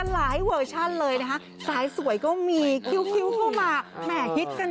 เดี๋ยวจะโดนโป่งโป่งโป่งโป่งโป่ง